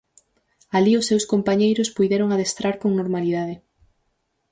Alí os seus compañeiros puideron adestrar con normalidade.